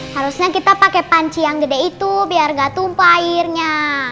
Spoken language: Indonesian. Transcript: harusnya kita pakai panci yang gede itu biar gak tumpah airnya